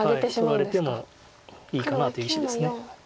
取られてもいいかなという石です。